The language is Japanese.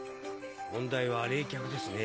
問題は冷却ですね